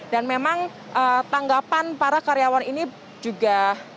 dan memang tanggapan para karyawan ini juga